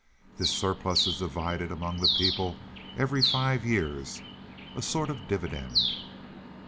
This surplus is divided among the people every five years a sort of dividend."